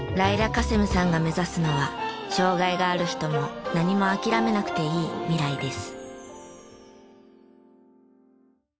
カセムさんが目指すのは障害がある人も何も諦めなくていい未来です。